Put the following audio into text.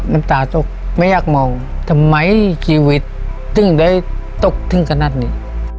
น้ำตาตกไม่อยากมองทำไมชีวิตถึงได้ตกถึงขนาดนี้